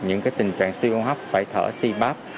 những tình trạng siêu hấp phải thở si báp